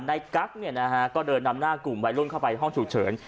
กั๊กเนี่ยนะฮะก็เดินนำหน้ากลุ่มวัยรุ่นเข้าไปห้องฉุกเฉิน